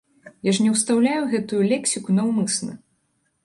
Я ж не ўстаўляю гэтую лексіку наўмысна.